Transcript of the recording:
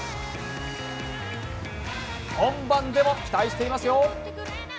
本番でも期待していますよ。